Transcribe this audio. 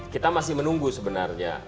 kita masih menunggu sebenarnya